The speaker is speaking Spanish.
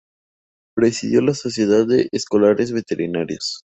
Presidió la Sociedad de Escolares Veterinarios.